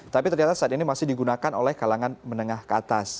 tapi ternyata saat ini masih digunakan oleh kalangan menengah ke atas